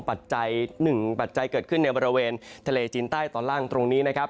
หนึ่งปัจจัยเกิดขึ้นในบริเวณทะเลจีนใต้ตอนล่างตรงนี้นะครับ